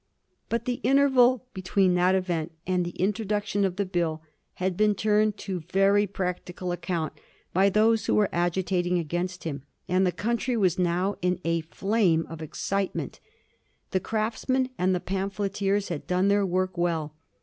But the interval between that event and the introduction of the Bill had been turned to very practical account by those who were agitating against him, and the country was now in a flame of excitement. The Craftsman and the pamphleteers had done their work well.